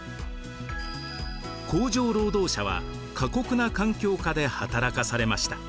工場労働者は過酷な環境下で働かされました。